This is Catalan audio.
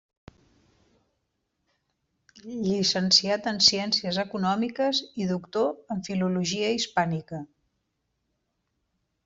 Llicenciat en Ciències Econòmiques i doctor en Filologia Hispànica.